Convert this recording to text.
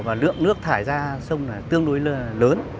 và lượng nước thải ra sông này tương đối lớn